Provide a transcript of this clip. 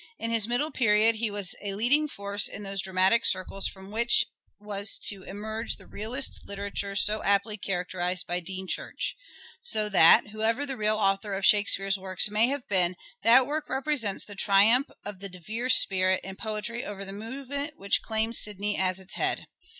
In his middle period he was a leading force in those dramatic circles from which was to emerge that realist literature so aptly characterized by Dean Church ; so that, whoever the real author of Shakespeare's work may have been, that work represents the triumph of the De Vere spirit in poetry over the movement which claimed Sidney as its head.